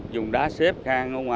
dùng đá xếp cao